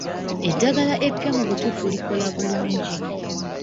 Eddagala eppya mu butuufu likola bulungi.